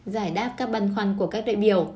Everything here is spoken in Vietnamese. giải đáp các băn khoăn của các đệ biểu